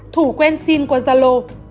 thủ quen xin qua gia lô